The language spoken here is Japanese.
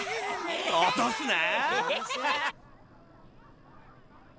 落とすな。